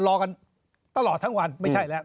รอกันตลอดทั้งวันไม่ใช่แล้ว